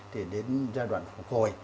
thì đến giai đoạn phục hồi